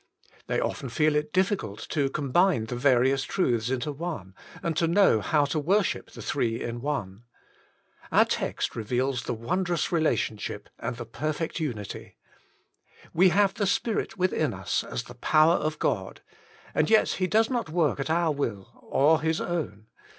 They often feel it diflBcult to combine the various truths into one, and to know how to worship the Three in One. Our text reveals the wondrous relationship and the perfect unity. We have the Spirit within us as the power of God, and yet He does not work at our will or His own.